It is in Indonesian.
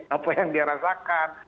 apa yang dirasakan